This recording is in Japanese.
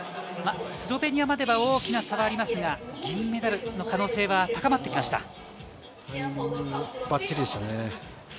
スロベニアまでは大きな差はありますが銀メダルの可能性は高まってきました。